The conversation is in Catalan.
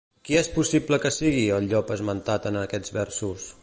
Qui és possible que sigui, el llop esmentat en aquests versos?